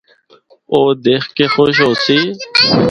او اے دکھ کے خوش ہوسی۔